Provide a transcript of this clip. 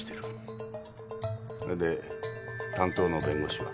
で担当の弁護士は？